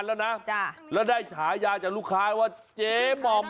แล้วได้ฉายาจากลูกค้าว่าเจ๊เรียงขัด